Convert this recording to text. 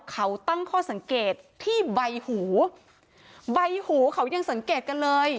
เขาตั้งข้อสังเกตที่ใบหูใบหูเขายังสังเกตกันเลย